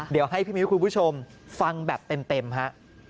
เดี๋ยวให้พี่มิ้วคุณผู้ชมฟังแบบเต็มฮะ